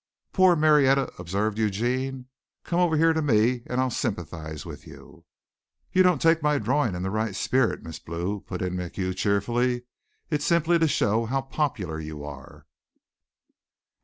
"Poor Marietta," observed Eugene. "Come over here to me and I'll sympathize with you." "You don't take my drawing in the right spirit, Miss Blue," put in MacHugh cheerfully. "It's simply to show how popular you are."